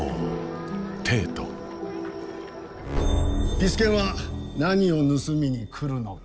ピス健は何を盗みに来るのか。